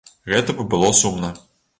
Гэта б было сумна.